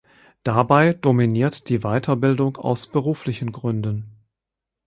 Dabei dominiert die Weiterbildung aus beruflichen Gründen.